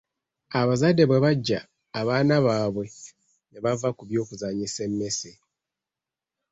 Abazadde bwe bajja abaana baabwe ne bava ku by’okuzannyisa emmese.